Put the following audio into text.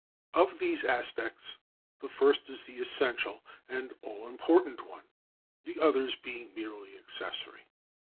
Of these aspects the first is the essential and all important one, the others being merely accessory.